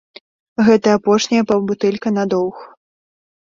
Гэта апошняя паўбутэлька на доўг.